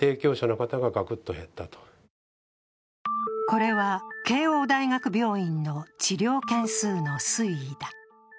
これは慶応大学病院の治療件数の推移だ。